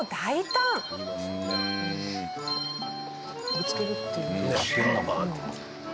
ぶつけるっていう。